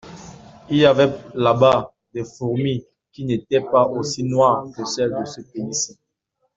Il y avait là-bas des fourmis qui n’étaient pas aussi noires que celles de ce pays-ci.